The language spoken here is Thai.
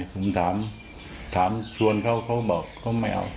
ผมถามถามชวนเขาเขาบอกเขาไม่เอา